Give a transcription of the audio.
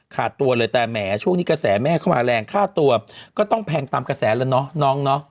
ขาดตัวเลยแต่แหมช่วงนี้กระแสแม่เข้ามาแรงค่าตัวก็ต้องแพงตามกระแสแล้วเนาะน้องเนาะ